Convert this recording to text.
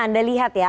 anda lihat ya